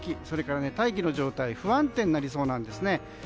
それから大気の状態不安定になりそうなんですね。